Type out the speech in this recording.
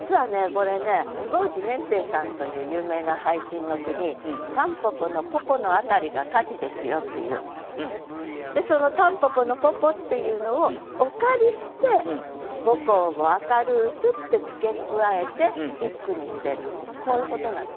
これね坪内稔典さんという有名な俳人の句に「たんぽぽのぽぽのあたりが火事ですよ」っていうその「たんぽぽのぽぽ」っていうのをお借りして「母校を明るうす」って付け加えて一句にしてるっていうこういうことなんですよ。